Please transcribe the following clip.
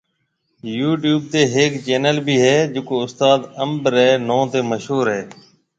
يو ٽيوب تي ھيَََڪ چينل بي ھيَََ جڪو استاد انب ري نون تي مشھور ھيَََ